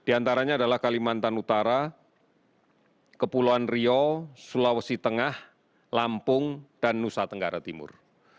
diantaranya adalah kalimantan utara kepulauan rio sulawesi tengah lampung dan nusa tenggara timur